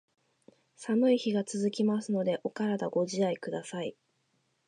寒い日が続きますので、お体ご自愛下さい。